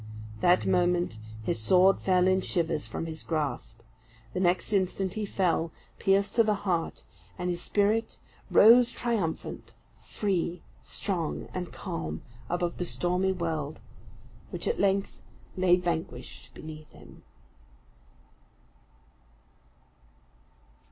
That moment his sword flew in shivers from his grasp. The next instant he fell, pierced to the heart; and his spirit rose triumphant, free, strong, and calm, above the stormy world, which at length lay vanquished beneath him.